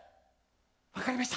分かりました。